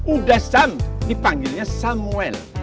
uda sam dipanggilnya samuel